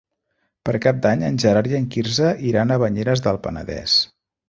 Per Cap d'Any en Gerard i en Quirze iran a Banyeres del Penedès.